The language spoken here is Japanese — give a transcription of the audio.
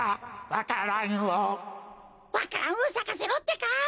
わか蘭をさかせろってか！